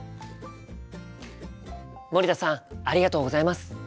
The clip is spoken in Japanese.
森田さんありがとうございます！